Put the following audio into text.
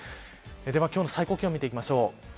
では今日の最高気温、見ていきましょう。